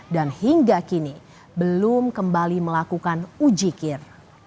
dan hingga kini belum kembali melakukan uji kir